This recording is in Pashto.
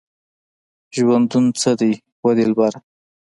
ژوندونه څه دی وه دلبره؟